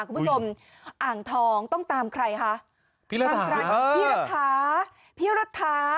คุณผู้ชมอ่างทองต้องตามใครคะพี่รักษาพี่รักษาพี่รักษา